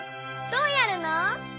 どうやるの？